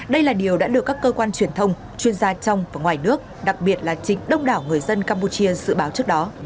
đây là điều đã được các cơ quan truyền thông chuyên gia trong và ngoài nước đặc biệt là chính đông đảo người dân campuchia dự báo trước đó